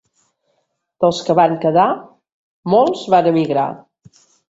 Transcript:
Dels que van quedar molts van emigrar.